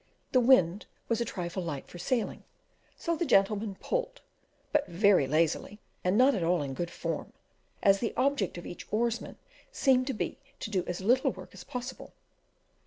The wind was a trifle light for sailing, so the gentlemen pulled, but very lazily and not at all in good "form," as the object of each oarsman seemed to be to do as little work as possible.